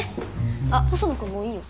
あっ細野君もういいよ。